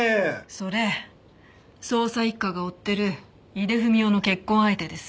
それ捜査一課が追ってる井出文雄の結婚相手です。